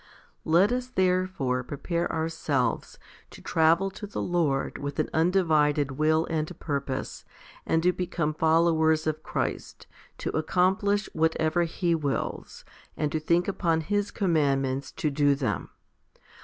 13. Let us therefore prepare ourselves to travel to the Lord with an undivided will and purpose, and to become followers of Christ, to accomplish whatever He wills, and to think upon His commandments to do them.